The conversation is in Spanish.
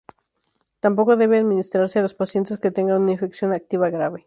Tampoco debe administrarse a los pacientes que tengan una infección activa grave.